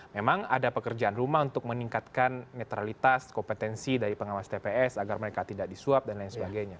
memang ada pekerjaan rumah untuk meningkatkan netralitas kompetensi dari pengawas tps agar mereka tidak disuap dan lain sebagainya